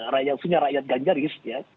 rakyat maksudnya rakyat ganjaris ya